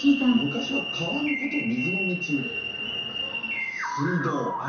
昔は川のこと水の道水道。